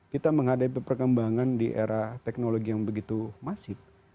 kita menghadapi perkembangan di era teknologi yang begitu masif